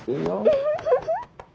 ウフフフ。